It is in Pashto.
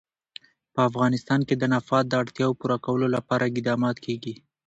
په افغانستان کې د نفت د اړتیاوو پوره کولو لپاره اقدامات کېږي.